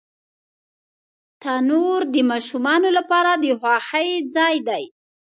تنور د ماشومانو لپاره د خوښۍ ځای دی